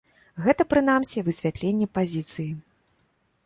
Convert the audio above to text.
Гэта, прынамсі, высвятленне пазіцыі.